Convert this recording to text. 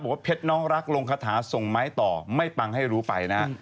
บอกว่าเค็กต์น้องรักลงคาถาทร่องไม้ต่อไม่ปังให้รู้ไปนะฮะ